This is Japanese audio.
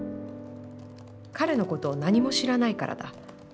彼のことをなにも知らないからだ。